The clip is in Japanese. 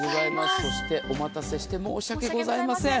そしてお待たせして申し訳ありません。